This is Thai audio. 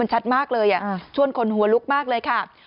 มันชัดมากเลยอ่ะช่วงคนหัวลุกมากเลยค่ะ